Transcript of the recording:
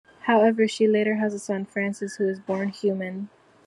However, she later has a son, Francis, who is born human.